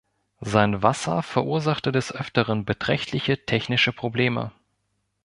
Sein Wasser verursachte des Öfteren beträchtliche technische Probleme.